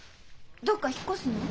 どっか引っ越すの？